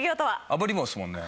あぶり棒ですもんね？